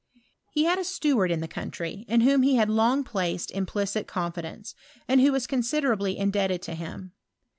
He had a steward in the country, in whom he had long placed implicit confidence, and who was con siderably indebted to him.